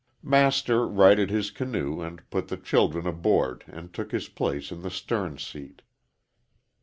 Master righted his canoe and put the children aboard and took his place in the stern seat.